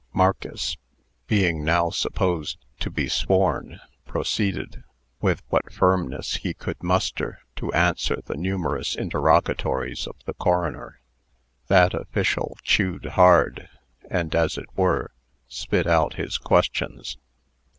Marcus, being now supposed to be sworn, proceeded, with what firmness he could muster, to answer the numerous interrogatories of the coroner. That official chewed hard, and, as it were, spit out his questions.